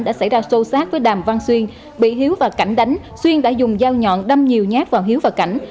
đã xảy ra sâu sát với đàm văn xuyên bị hiếu và cảnh đánh xuyên đã dùng dao nhọn đâm nhiều nhát vào hiếu và cảnh